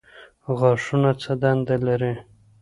غاښونه څه دنده لري؟